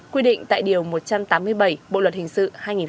quy định tại điều một trăm tám mươi bảy bộ luật hình sự hai nghìn một mươi năm